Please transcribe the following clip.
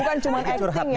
bukan cuma acting ya